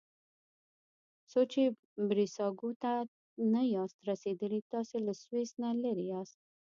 څو چې بریساګو ته نه یاست رسیدلي تاسي له سویس نه لرې یاست.